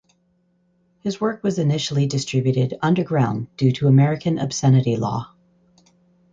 His work was initially distributed underground due to American obscenity law.